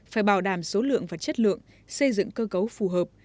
phải bảo đảm số lượng và chất lượng xây dựng cơ cấu phù hợp